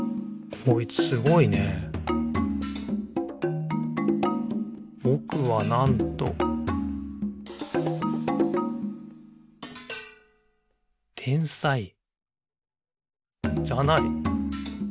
こいつすごいね「ぼくは、なんと」天才じゃない。え？